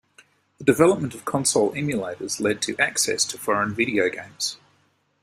The development of console emulators led to access to foreign video games.